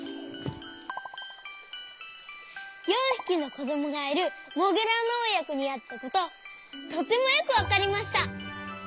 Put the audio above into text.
４ひきのこどもがいるモグラのおやこにあったこととてもよくわかりました。